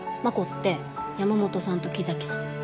真子って山本さんと木崎さん